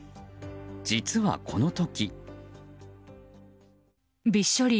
実は、この時。